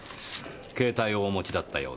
携帯をお持ちだったようですね。